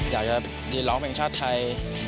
อยากจะยืนร้องเพลงชาติไทย